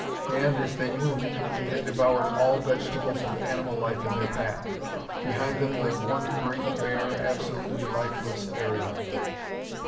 And, as they moved, they had devoured all vegetables and animal life in their path. Behind them lay one great bare, absolutely lifeless area.